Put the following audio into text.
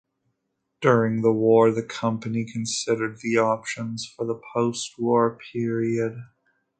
During the war the company considered the options for the post war period.